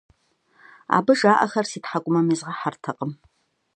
Абы жаӏэхэр си тхьэкӀумэм изгъэхьэртэкъым.